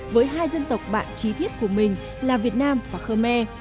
với hai dân tộc bạn trí thiết của mình là việt nam và khmer